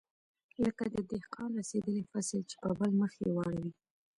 لکه د دهقان رسېدلى فصل چې په بل مخ يې واړوې.